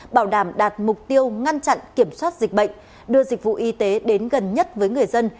bảo đảm đạt mục tiêu ngăn chặn kiểm soát dịch bệnh đưa dịch vụ y tế đến gần nhất với người dân